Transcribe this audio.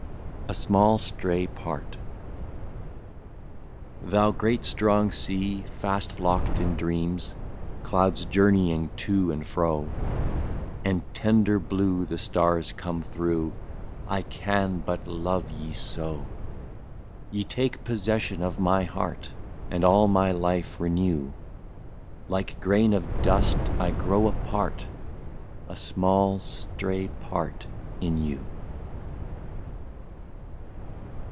138 A SMALL STRAY PART. Thou great strong sea, fast locked in dreams, Clouds journeying to and fro, And tender blue the stars come through, — I can but love ye so ! Ye take possession of my heart, And all my life renew ; Like grain of dust, I grow a part, A small stray part in you.